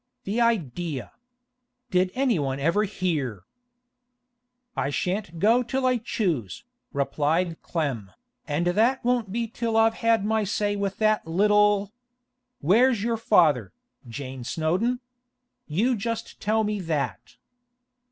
The idea! Did anyone ever hear!' 'I shan't go till I choose,' replied Clem, 'and that won't be till I've had my say with that little ——! Where's your father, Jane Snowdon? You just tell me that.